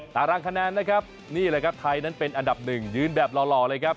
ตารางคะแนนนะครับนี่แหละครับไทยนั้นเป็นอันดับหนึ่งยืนแบบหล่อเลยครับ